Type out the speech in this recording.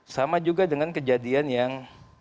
sama juga dengan kejadian yang